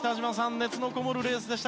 熱のこもるレースでした。